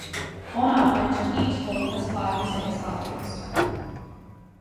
On average, each hole has five or six hazards.